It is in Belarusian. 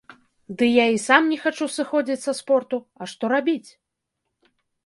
Ды я і сам не хачу сыходзіць са спорту, а што рабіць?